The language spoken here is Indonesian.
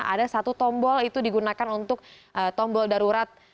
ada satu tombol itu digunakan untuk tombol darurat